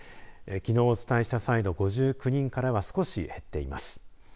きのうお伝えした際の１２５人からさらに増えています。